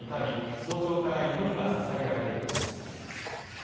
早朝から祈りがささげられています